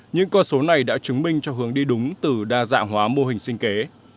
những con số này đã chứng minh cho hướng đi đúng từ đa dạng hóa mô hình sinh kế